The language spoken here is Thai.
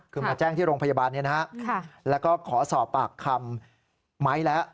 คือมาแจ้งที่โรงพยาบาลนี้นะฮะแล้วก็ขอสอบปากคำไม้แล้ว